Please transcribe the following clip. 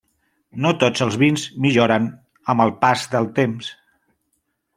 No tots els vins milloren amb el pas del temps.